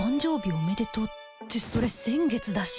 おめでとうってそれ先月だし